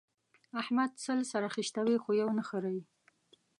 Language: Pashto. احمد سل سره خيشتوي؛ خو يو نه خرېي.